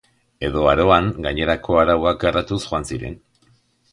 Edo Aroan gainerako arauak garatuz joan ziren.